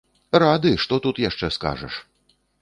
Рады, што тут яшчэ скажаш?